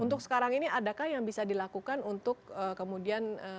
untuk sekarang ini adakah yang bisa dilakukan untuk kemudian